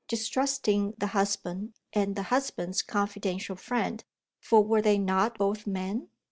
Distrusting the husband, and the husband's confidential friend for were they not both men?